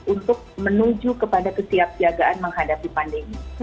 untuk menuju kepada kesiap siagaan menghadapi pandemi